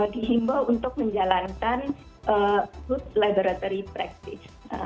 dihimbau untuk menjalankan food laboratory practice